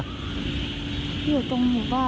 อยู่ตรงหมู่บ้าน